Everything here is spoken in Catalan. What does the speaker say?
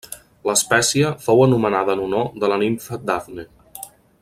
L'espècie fou anomenada en honor de la nimfa Dafne.